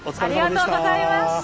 ありがとうございます。